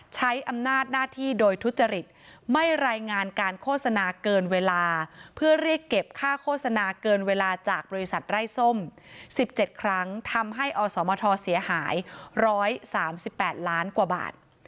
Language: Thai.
ใช้อำนาจหน้าที่โดยทุจริตไม่รายงานการโฆษณาเกินเวลาเพื่อเรียกเก็บค่าโฆษณาเกินเวลาจากบริษัทไร้ส้ม๑๗ครั้งทำให้อสมทเสียหาย๑๓๘ล้านกว่าบาท